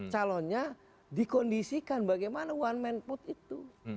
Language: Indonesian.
calonnya dikondisikan bagaimana one man put itu